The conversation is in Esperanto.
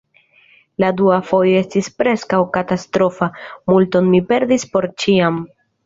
La dua fojo estis preskaŭ katastrofa: multon mi perdis por ĉiam.